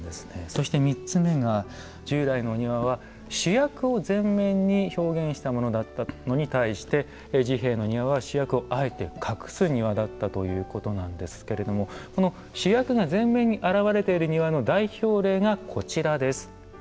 そして３つ目が従来のお庭は主役を前面に表現したものだったのに対して治兵衛の庭は主役をあえて隠す庭だったということなんですけれどもこの主役が前面に表れている庭の代表例がこちらです。